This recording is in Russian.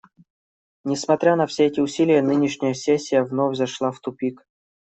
Несмотря на все эти усилия, нынешняя сессия вновь зашла в тупик.